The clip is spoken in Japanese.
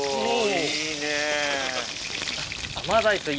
いいね。